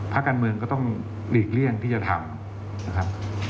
พระการเมืองก็ต้องหลีกเลี่ยงที่จะทำ